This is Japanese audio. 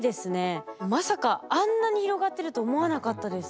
まさかあんなに広がってると思わなかったです。